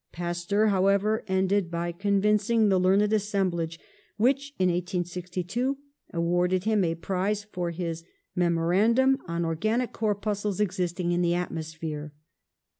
Pasteur, however, ended by convincing the learned as semblage, which in 1862 awarded him a prize for his Memorandum on Organic Corpuscles existing in the Atmosphere.